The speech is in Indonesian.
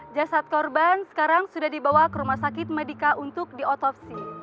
jasad korban sekarang sudah dibawa ke rumah sakit medika untuk diotopsi